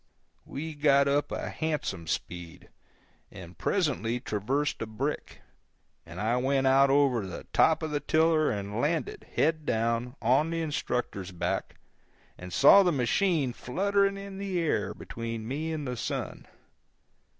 We got up a handsome speed, and presently traversed a brick, and I went out over the top of the tiller and landed, head down, on the instructor's back, and saw the machine fluttering in the air between me and the sun.